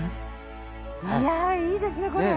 いやいいですねこれ。